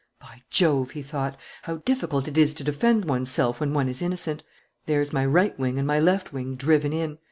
"By Jove!" he thought. "How difficult it is to defend one's self when one is innocent. There's my right wing and my left wing driven in.